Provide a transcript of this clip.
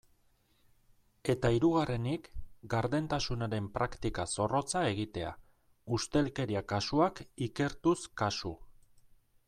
Eta hirugarrenik, gardentasunaren praktika zorrotza egitea, ustelkeria kasuak ikertuz kasu.